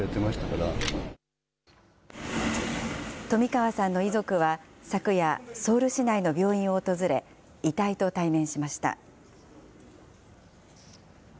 冨川さんの遺族は昨夜、ソウル市内の病院を訪れ、遺体と対面しました。